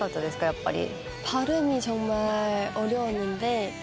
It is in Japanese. やっぱり。